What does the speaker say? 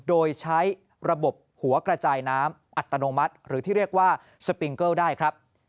โดยใช้ระบบหัวกระจายน้ำอัตโนมัติหรือที่เรียกว่าสปิงเกิลได้ครับ